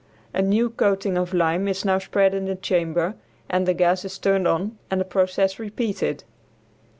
A new coating of lime is now spread in the chamber and the gas is turned on and the process repeated.